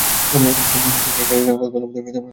এখানে সাতজন একা একা কথা বলতে বলতে নানা গল্প সৃষ্টি করে।